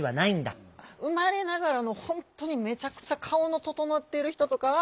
生まれながらの本当にめちゃくちゃ顔の整ってる人とかは。